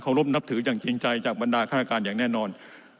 รบนับถืออย่างจริงใจจากบรรดาฆาตการอย่างแน่นอน